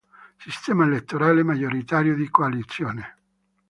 Sistema elettorale: maggioritario di coalizione